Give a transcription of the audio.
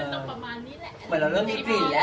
เหมือนเราร่วมไรมันทรง